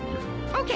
ＯＫ！